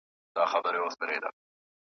په خپل وخت کي یې هم .